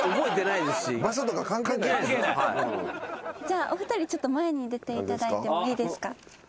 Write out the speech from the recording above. じゃあお二人ちょっと前に出ていただいてもいいですか。